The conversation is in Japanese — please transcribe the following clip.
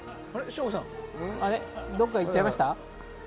どっか行っちゃいました？